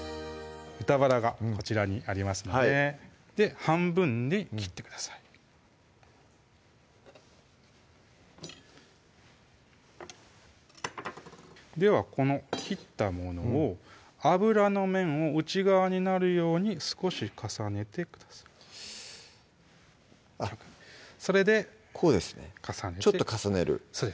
豚バラがこちらにありますので半分に切ってくださいではこの切ったものを脂の面を内側になるように少し重ねてくださいそれでこうですねちょっと重ねるそうです